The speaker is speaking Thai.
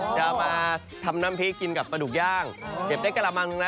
จะมาทำนำพริกกินกับปลาดูกย่าง